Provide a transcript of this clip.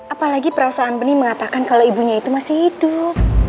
apalagi perasaan benih mengatakan kalau ibunya itu masih hidup